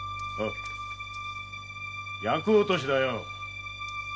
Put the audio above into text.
厄落としだよ。